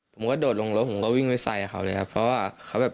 กระโดดลงรถผมก็วิ่งไปใส่เขาเลยครับเพราะว่าเขาแบบ